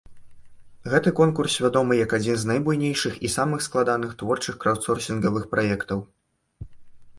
Гэты конкурс вядомы як адзін з найбуйнейшых і самых складаных творчых краўдсорсінгавых праектаў.